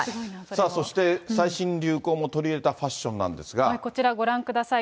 そして、最新流行も取り入れたファッションなんこちらご覧ください。